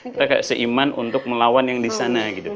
kita kayak seiman untuk melawan yang di sana gitu